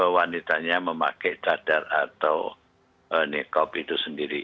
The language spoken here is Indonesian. wanitanya memakai cadar atau nikob itu sendiri